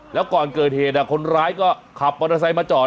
แล้วก่อนเกิดเหตุอ่ะคนร้ายก็ขับปลาไซส์มาจอด